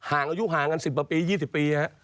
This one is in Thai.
อายุห่างกัน๑๐ปี๒๐ปี